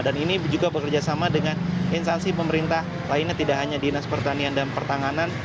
dan ini juga bekerja sama dengan instansi pemerintah lainnya tidak hanya dinas pertanian dan pertanganan